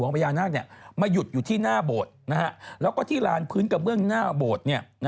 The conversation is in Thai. มาหยุดอยู่ที่หน้าโบสธ์นะแล้วก็ที่รานพื้นกับเรื่องหน้าโบสธ์เนี่ย